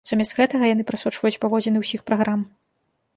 Замест гэтага яны прасочваюць паводзіны ўсіх праграм.